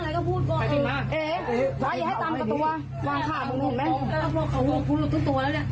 ลองค่ะลุกตัวไปเลย